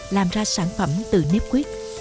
làm ra sản phẩm từ nếp quyết